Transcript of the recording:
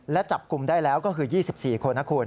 และจับกลุ่มได้แล้วก็คือ๒๔คนนะคุณ